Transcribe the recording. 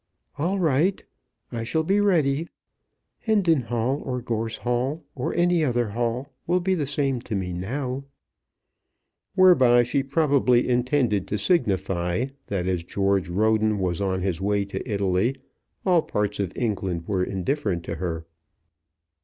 "All right; I shall be ready. Hendon Hall or Gorse Hall, or any other Hall, will be the same to me now." Whereby she probably intended to signify that as George Roden was on his way to Italy all parts of England were indifferent to her.